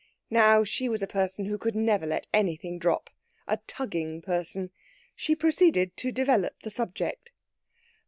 Now, she was a person who could never let anything drop a tugging person. She proceeded to develop the subject.